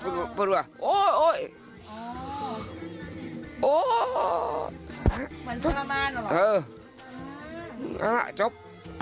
ทำท่าไหมโอ้ยโอ้ยเหมือนพระม่านเหรอจบ